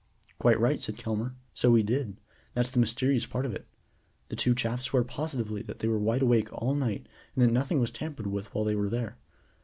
"Quite right," said Kelmare, "so he did; that's the mysterious part of it. The two chaps swear positively that they were wide awake all night, and that nothing was tampered with while they were there.